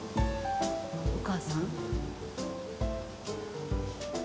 お母さん？